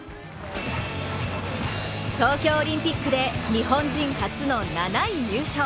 東京オリンピックで日本人初の７位入賞。